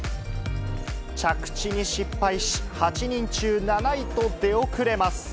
着地に失敗し、８人中７位と出遅れます。